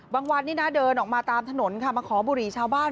วันนี้นะเดินออกมาตามถนนค่ะมาขอบุหรี่ชาวบ้าน